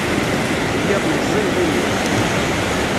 Lliɣ meẓẓiyeɣ imir.